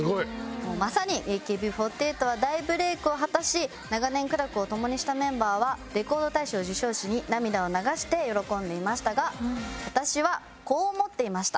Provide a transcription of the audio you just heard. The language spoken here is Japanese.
もうまさにＡＫＢ４８は大ブレイクを果たし長年苦楽をともにしたメンバーはレコード大賞受賞時に涙を流して喜んでいましたが私はこう思っていました。